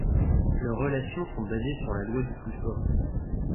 Leurs relations sont basées sur la loi du plus fort.